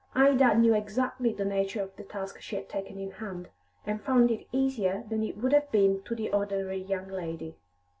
Ida knew exactly the nature of the task she had taken in hand, and found it easier than it would have been to the ordinary young lady.